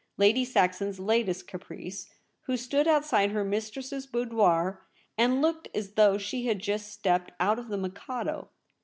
Lady Saxon's latest caprice, who stood outside her mistress's boudoir and looked as though she 2i6 THE REBEL ROSE. had just Stepped out of * The Mikado.'